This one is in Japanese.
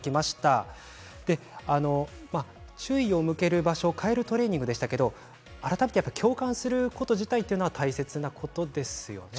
注意を向ける場所を変えるトレーニングでしたが改めて共感すること自体は大切なことですよね。